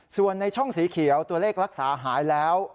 ส่วนในช่องสีเขียวตัวเลขรักษาหายแล้ว